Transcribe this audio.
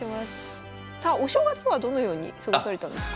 さあお正月はどのように過ごされたんですか？